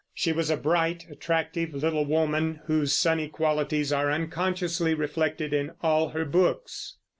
She was a bright, attractive little woman, whose sunny qualities are unconsciously reflected in all her books.